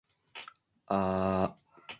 涼しい風が吹いて、秋の訪れを感じる季節になりました。